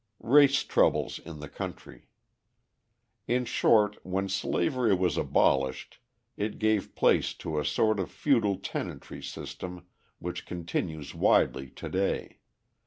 Race Troubles in the Country In short, when slavery was abolished it gave place to a sort of feudal tenantry system which continues widely to day.